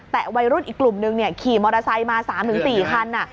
แต่วัยรุ่นอีกกลุ่มนึงขี่มอเตอร์ไซค์มา๓๔คัน